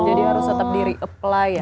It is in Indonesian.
jadi harus tetap di reapply ya